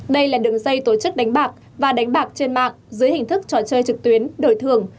đây là đường dây tổ chức đánh bạc và đánh bạc trên mạng dưới hình thức trò chơi trực tuyến đổi thường